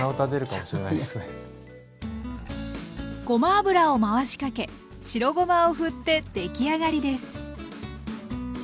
ごま油を回しかけ白ごまをふってできあがりです。